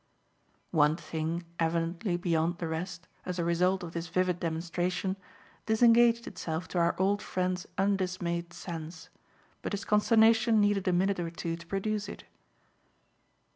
One thing evidently beyond the rest, as a result of this vivid demonstration, disengaged itself to our old friend's undismayed sense, but his consternation needed a minute or two to produce it.